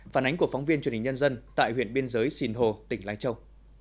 phản ánh của phóng viên truyền hình nhân dân tại huyện biên giới sinh hồ tỉnh lai châu